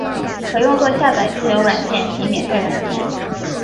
可用作下载自由软件及免费软件。